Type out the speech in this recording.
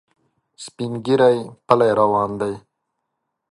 سپین ږیری پلی روان دی.